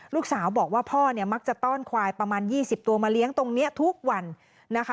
ลูกสาวบอกว่าพ่อเนี่ยมักจะต้อนควายประมาณ๒๐ตัวมาเลี้ยงตรงนี้ทุกวันนะคะ